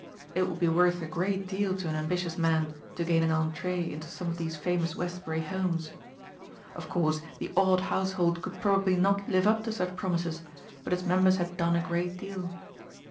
It would be worth a great deal to an ambitious man to gain an entrée into some of these famous Westbury homes. Of course the odd household could probably not live up to such promises but its members had done a great deal.